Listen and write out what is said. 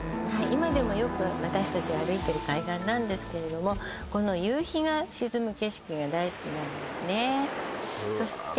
今でもよく私達歩いてる海岸なんですけれどもこの夕日が沈む景色が大好きなんですね